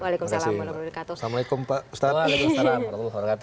assalamualaikum pak ustadz